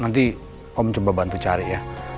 nanti kamu coba bantu cari ya